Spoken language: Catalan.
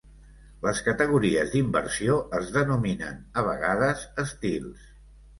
Las categories d'inversió es denominen a vegades "estils".